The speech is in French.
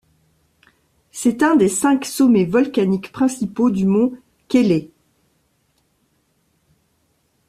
C'est un des cinq sommets volcaniques principaux du mont Cayley.